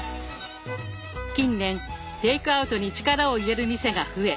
近年テイクアウトに力を入れる店が増え